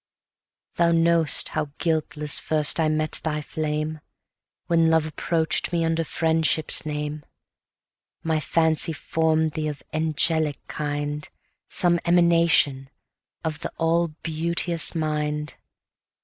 Thou know'st how guiltless first I met thy flame, When Love approach'd me under Friendship's name; 60 My fancy form'd thee of angelic kind, Some emanation of the all beauteous Mind.